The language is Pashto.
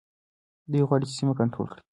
دوی غواړي چي سیمه کنټرول کړي.